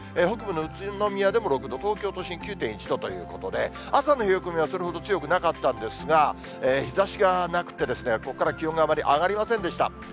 北部の宇都宮でも６度、東京都心９．１度ということで、朝の冷え込みはそれほど強くなかったんですが、日ざしがなくてですね、ここから気温があまり上がりませんでした。